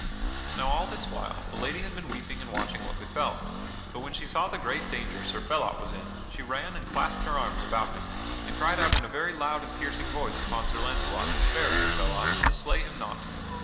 Now all this while the lady had been weeping and watching what befell. But when she saw the great danger Sir Phelot was in, she ran and clasped her arms about him, and cried out in a very loud and piercing voice upon Sir Launcelot to spare Sir Phelot and to slay him not.